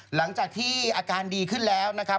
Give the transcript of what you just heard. หลังจากที่อาการดีขึ้นแล้วนะครับ